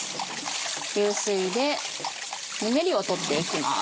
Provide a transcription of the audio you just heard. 流水でぬめりを取っていきます。